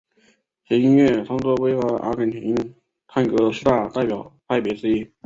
其音乐创作成为阿根廷探戈四大代表派别之一。